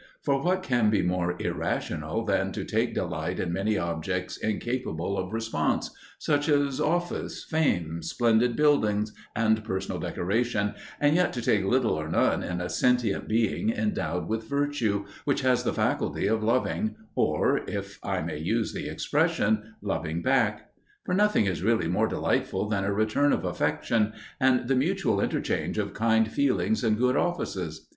For what can be more irrational than to take delight in many objects incapable of response, such as office, fame, splendid buildings, and personal decoration, and yet to take little or none in a sentient being endowed with virtue, which has the faculty of loving or, if I may use the expression, loving back? For nothing is really more delightful than a return of affection, and the mutual interchange of kind feeling and good offices.